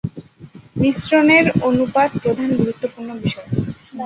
মিশ্রণের অনুপাত প্রধান গুরুত্বপূর্ণ বিষয়।